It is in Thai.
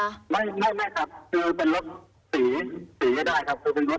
ไม่ครับคือเป็นรถสีได้ครับคือเป็นรถสีดำ